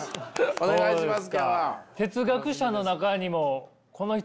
お願いします。